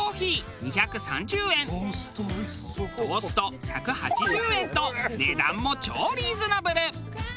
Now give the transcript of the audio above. トースト１８０円と値段も超リーズナブル。